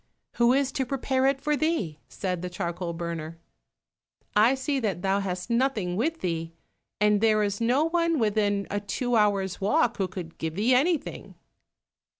"Who is to prepare it for thee?" said the charcoal burner. "I see that thou hast nothing with thee, and there is no one within a two hours' walk who could give thee anything."